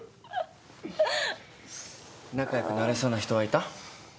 仲良くなれそうな人はいた？